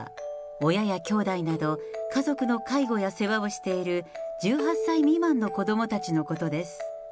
親やきょうだいなど、家族の介護や世話をしている１８歳未満の子どもたちのことです。